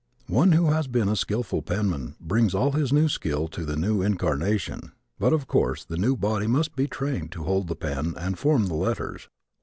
One who has been a skillful penman brings all his skill to the new incarnation but of course the new body must be trained to hold the pen and form the letters.